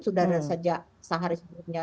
sudah sejak sehari sebelumnya